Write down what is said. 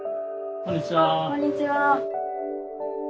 こんにちは。